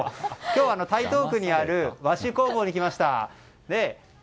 今日は台東区にある和紙工房に来ました。